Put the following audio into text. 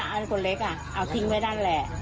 แล้วก็อันคนเล็กอ่ะเอาทิ้งไว้ด้านแหละ